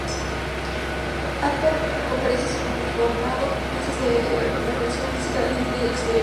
Ha dado conferencias y conformado mesas de reflexión artística en Argentina y el exterior.